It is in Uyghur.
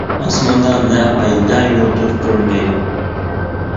ئاسماندا نە ئاي، نە يۇلتۇز كۆرۈنمەيدۇ.